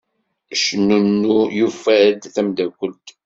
Cnunnu yufa-d tamdakelt.